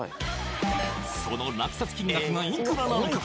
その落札金額がいくらなのか？